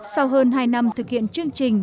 sau hơn hai năm thực hiện chương trình